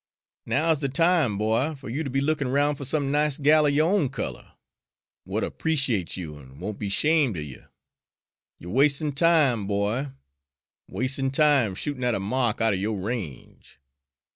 "Now 's de time, boy, fer you ter be lookin' roun' fer some nice gal er yo' own color, w'at'll 'preciate you, an' won't be 'shamed er you. You're wastin' time, boy, wastin' time, shootin' at a mark outer yo' range."